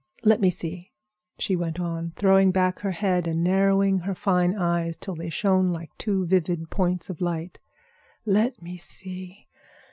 Let me see," she went on, throwing back her head and narrowing her fine eyes till they shone like two vivid points of light. "Let me see.